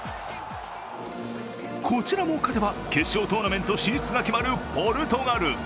こちらも勝てば決勝トーナメント進出が決まるポルトガル。